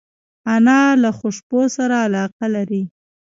انا له خوشبو سره علاقه لري